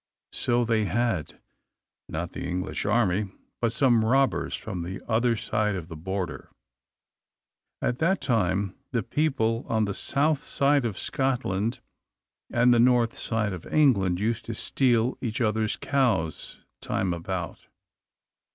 So they had; not the English army, but some robbers from the other side of the Border. At that time the people on the south side of Scotland and the north side of England used to steal each other's cows time about.